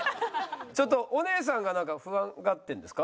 ちょっとお姉さんがなんか不安がってるんですか？